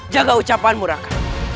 jaga ucapanmu raka